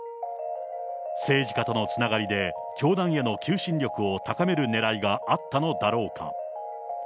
政治家とのつながりで、教団への求心力を高めるねらいがあったのだろうか。